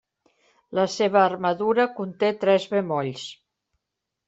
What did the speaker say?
La seva armadura conté tres bemolls.